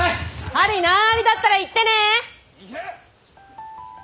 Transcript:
針難ありだったら言ってね。